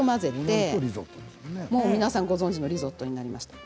皆さんご存じのリゾットになります。